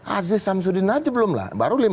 azizan sudin aja belum lah